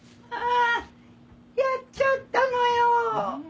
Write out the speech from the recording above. ああやっちゃったのよ。